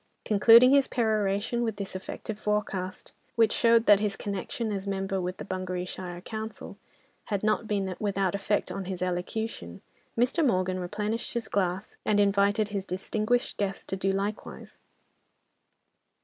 Concluding his peroration with this effective forecast, which showed that his connection, as member, with the Bungareeshire council had not been without effect on his elocution, Mr. Morgan replenished his glass, and invited his distinguished guests to do likewise.